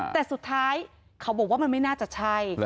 แต่สุดท้ายเขาบอกว่ามันไม่น่าจะใช่